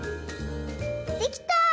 できた！